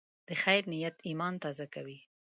د خیر نیت ایمان تازه کوي.